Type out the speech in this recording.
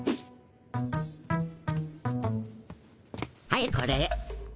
はいこれ。